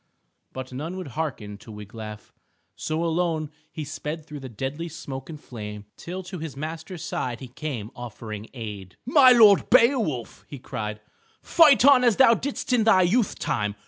But none would hearken to Wiglaf. So alone he sped through the deadly smoke and flame, till to his master's side he came offering aid. "My lord Beowulf," he cried, "fight on as thou didst in thy youth time.